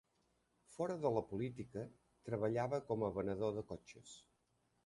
Fora de la política, treballava com a venedor de cotxes.